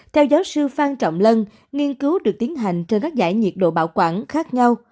theo giáo sư phan trọng lân nghiên cứu được tiến hành trên các giải nhiệt độ bảo quản khác nhau